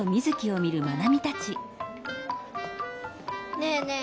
ねえねえ